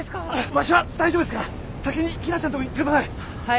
わしは大丈夫ですから先にひなちゃんのとこ行ってください。